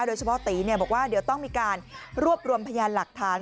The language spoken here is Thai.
โดยเฉพาะตีบอกว่าเดี๋ยวต้องมีการรวบรวมพยานหลักฐาน